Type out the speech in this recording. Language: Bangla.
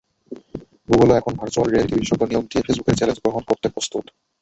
গুগলও এখন ভারচুয়াল রিয়েলিটি বিশেষজ্ঞ নিয়োগ দিয়ে ফেসবুকের চ্যালেঞ্জ গ্রহণ করতে প্রস্তুত।